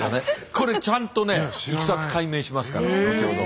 これちゃんとねいきさつ解明しますから後ほど。